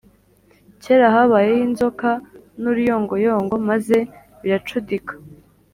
kera habayeho inzoka n'uruyongoyongo maze biracudika,